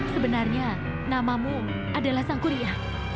sebenarnya namamu adalah sangku ria